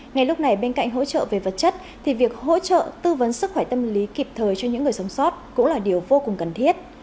ngay lúc này bên cạnh hỗ trợ về vật chất thì việc hỗ trợ tư vấn sức khỏe tâm lý kịp thời cho những người sống sót cũng là điều vô cùng cần thiết